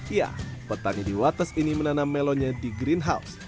ya petani di wates ini menanam melonnya di greenhouse